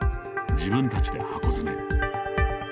自分たちで箱詰め。